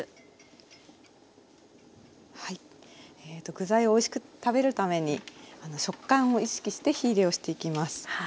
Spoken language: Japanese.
はい具材をおいしく食べるために食感を意識して火入れをしていきます。